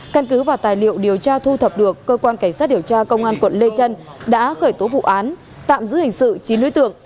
căn cứ và tài liệu điều tra thu thập được cơ quan cảnh sát điều tra công an quận lê trân đã khởi tố vụ án tạm giữ hình sự chín nối tượng